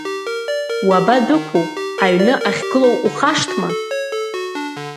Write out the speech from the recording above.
Уабадәықәу, аҩны ахьгылоу ухашҭма?